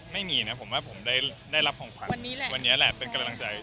ไม่มีนะผมว่าผมได้รับของขวัญวันนี้แหละเป็นกำลังใจ